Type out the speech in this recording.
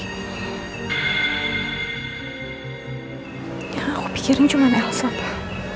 yang aku pikirin cuma elsa pak